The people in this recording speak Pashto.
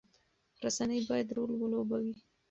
رسنۍ باید رول ولوبوي.